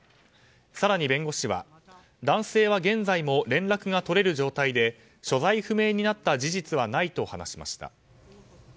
更に弁護士は男性は現在も連絡が取れる状態で所在不明になった事実はないと話しました。